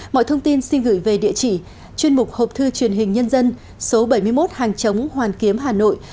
mọi thông tin xin gửi về địa chỉ chuyên mục hộp thư truyền hình nhân dân số bảy mươi một hàng chống hoàn kiếm hà nội